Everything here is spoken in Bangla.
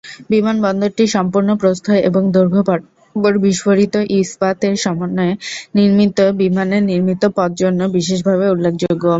বিমানবন্দরটি সম্পূর্ণ প্রস্থ এবং দৈর্ঘ্য বরাবর বিস্ফোরিত ইস্পাত এর সমন্বয়ে নির্মিত বিমানের নির্মিত পথ জন্য বিশেষভাবে উল্লেখযোগ্য।